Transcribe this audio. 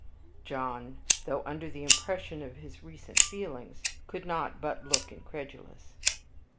John, though under the impression of his recent feelings, could not but look incredulous.